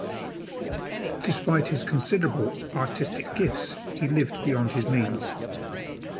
Despite his considerable artistic gifts, he lived beyond his means.